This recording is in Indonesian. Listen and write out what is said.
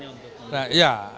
tujuannya untuk pemerintah